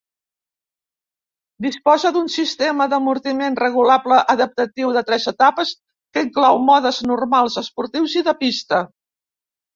Disposa d'un sistema d'amortiment regulable adaptatiu de tres etapes que inclou modes normals, esportius i de pista.